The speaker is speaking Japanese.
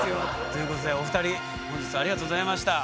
ということでお二人本日はありがとうございました。